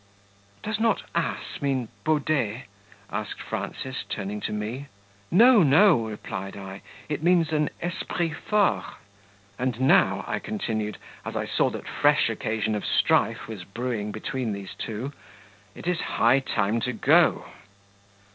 "Does not ASS mean BAUDET?" asked Frances, turning to me. "No, no," replied I, "it means an ESPRIT FORT; and now," I continued, as I saw that fresh occasion of strife was brewing between these two, "it is high time to go."